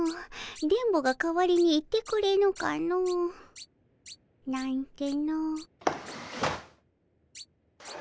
電ボが代わりに行ってくれぬかの。なんての。